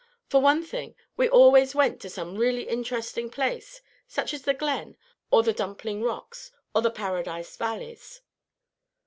For one thing, we always went to some really interesting place, such as the Glen, or the Dumpling Rocks, or the Paradise Valleys."